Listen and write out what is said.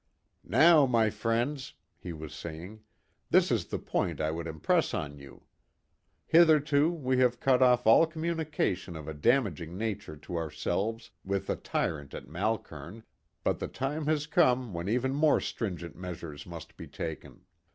"Now, my friends," he was saying, "this is the point I would impress on you. Hitherto we have cut off all communication of a damaging nature to ourselves with the tyrant at Malkern, but the time has come when even more stringent measures must be taken.